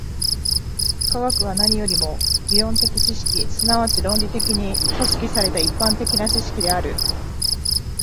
科学は何よりも理論的知識、即ち論理的に組織された一般的な知識である。